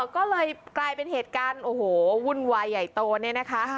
ก็เลยกลายเป็นเหตุการณ์โอ้โหวุ่นวายใหญ่โตเนี่ยนะคะ